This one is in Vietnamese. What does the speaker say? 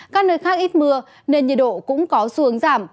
các nơi khác ít mưa nên nhiệt độ cũng có xuống giảm